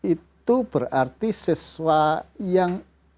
itu berarti sesuai yang